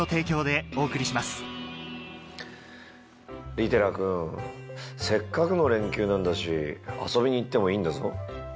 利寺君せっかくの連休なんだし遊びに行ってもいいんだぞ。